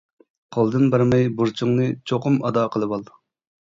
قولدىن بەرمەي بۇرچۇڭنى چوقۇم ئادا قىلىۋال.